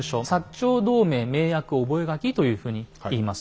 「長同盟盟約覚書」というふうに言います。